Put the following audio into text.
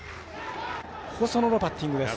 細野のバッティングです。